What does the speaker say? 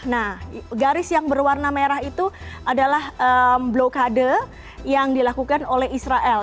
nah garis yang berwarna merah itu adalah blokade yang dilakukan oleh israel